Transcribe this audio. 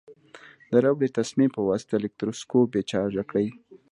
د ربړي تسمې په واسطه الکتروسکوپ بې چارجه کړئ.